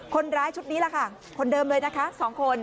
คนร้ายชุดนี้แหละค่ะคนเดิมเลยนะคะ๒คน